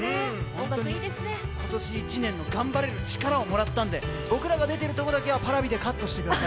今年１年、頑張れる力をもらったんで僕らが出ているところだけは、Ｐａｒａｖｉでカットしてください。